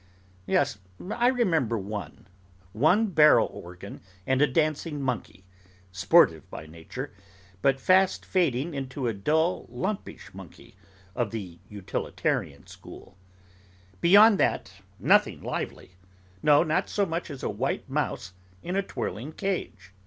Yes, I remember one. One barrel organ and a dancing monkey—sportive by nature, but fast fading into a dull, lumpish monkey, of the Utilitarian school. Beyond that, nothing lively; no, not so much as a white mouse in a twirling cage.